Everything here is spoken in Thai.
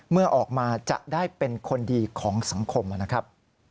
เมื่อออกมาจะได้เป็นคนดีของสังคมนะครับ